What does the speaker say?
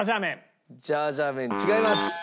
ジャージャー麺違います。